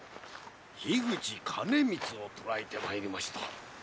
口兼光を捕らえてまいりました。